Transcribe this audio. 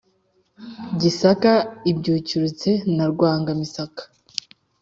gisaka ibyukurutse na rwanga-misaka.